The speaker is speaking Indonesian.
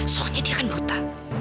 soalnya dia kan buta